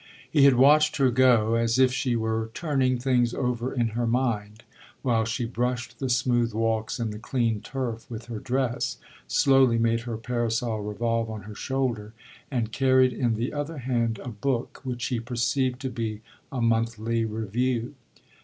He had watched her go as if she were turning things over in her mind, while she brushed the smooth walks and the clean turf with her dress, slowly made her parasol revolve on her shoulder and carried in the other hand a book which he perceived to be a monthly review.